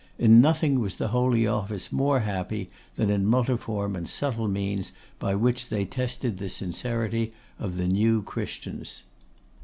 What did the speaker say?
In nothing was the Holy Office more happy than in multiform and subtle means by which they tested the sincerity of the New Christians.